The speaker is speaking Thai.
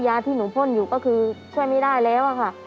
ที่หนูพ่นอยู่ก็คือช่วยไม่ได้แล้วค่ะ